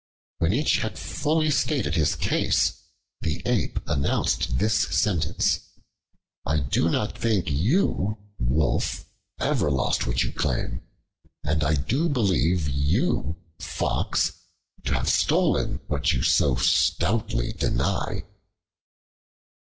When each had fully stated his case the Ape announced this sentence: "I do not think you, Wolf, ever lost what you claim; and I do believe you, Fox, to have stolen what you so stoutly deny."